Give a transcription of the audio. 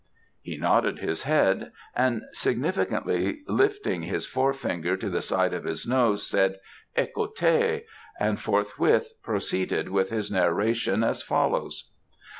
He nodded his head, and significantly lifting his fore finger to the side of his nose, said "Ecoutez!" and forthwith proceeded with his narration as follows.